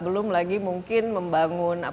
belum lagi mungkin membangun